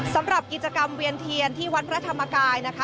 สำหรับกิจกรรมเวียนเทียนที่วัดพระธรรมกายนะคะ